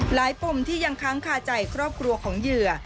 ปมที่ยังค้างคาใจครอบครัวของเหยื่อ